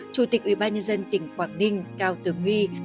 chủ tịch ubnd tỉnh hoàng đinh cao tường nguy